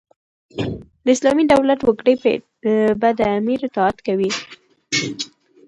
د اسلامي دولت وګړي به د امیر اطاعت کوي.